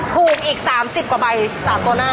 ถูกอีก๓๐กว่าใบ๓ตัวหน้า